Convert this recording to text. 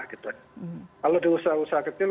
kalau di usaha usaha kecil